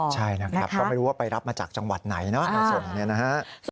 ใช่นะครับก็ไม่รู้ว่าไปรับมาจากจังหวัดไหนเนาะมาส่งเนี่ยนะฮะ